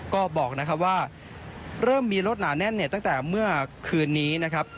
ก็บอกนะครับว่าเริ่มมีรถหนาแน่นเนี่ยตั้งแต่เมื่อคืนนี้นะครับ